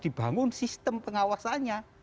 dibangun sistem pengawasannya